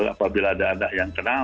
apabila ada ada yang kenal